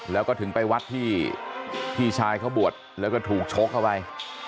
อีกวัดหนึ่งไปวัดที่พี่ชายเขาบวชแล้วก็ถูกโชคเข้าไป